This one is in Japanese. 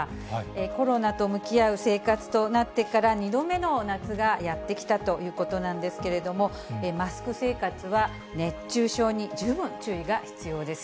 コロナと向き合う生活となってから２度目の夏がやって来たということなんですけれども、マスク生活は熱中症に十分注意が必要です。